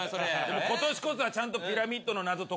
今年こそはちゃんとピラミッドの謎解こうね。